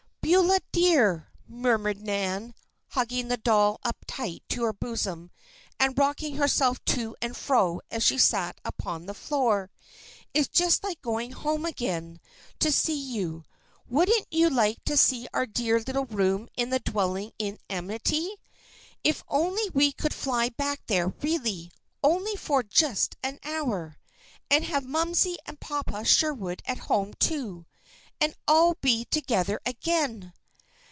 "Beulah, dear!" murmured Nan, hugging the doll up tight to her bosom and rocking herself to and fro as she sat upon the floor. "It's just like going home again, to see you. Wouldn't you like to see our dear little room in the 'dwelling in amity'? If only we could fly back there, really! Only for just an hour! And have Momsey and Papa Sherwood at home, too, and all be together again!"